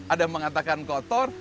ada yang mengatakan kotor